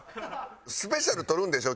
スペシャル撮るんでしょ？